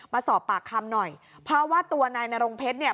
มาสอบปากคำหน่อยเพราะว่าตัวนายนรงเพชรเนี่ย